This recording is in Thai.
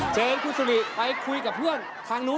เราจะได้รู้สเปคของสาวโสด